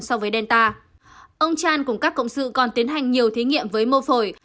ông chen cùng các cộng sự còn tiến hành nhiều thí nghiệm với mô phổi